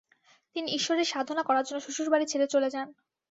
তিনি ঈশ্বরের সাধনা করার জন্য শ্বশুর বাড়ি ছেড়ে চলে যান।